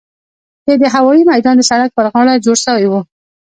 چې د هوايي ميدان د سړک پر غاړه جوړ سوي وو.